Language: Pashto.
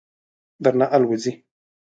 درنه آلوځي.